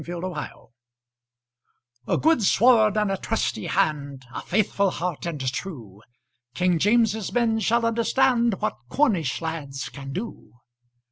"Trelawny"[edit] A good sword and a trusty hand! A merry heart and true! King James's men shall understand What Cornish lads can do!